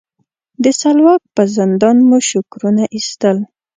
د سلواک په زندان مو شکرونه ایستل.